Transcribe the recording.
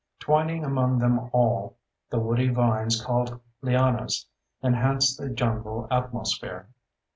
Twining among them all, the woody vines called lianas enhance the jungle atmosphere.